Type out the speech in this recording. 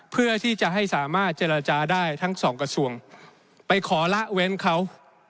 เพื่อที่จะให้สามารถเจรจาได้ทั้งสองกระทรวงไปขอละเว้นเขา